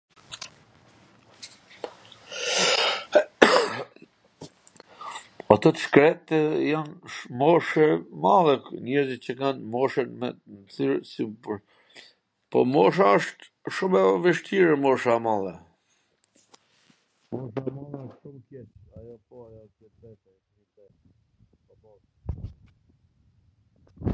Ato tw shkretw jan mosh e madhe, njerzit qw kan mosh... po mosha asht shum e vwshtir mosha e madhe...